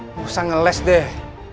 gak usah ngeles deh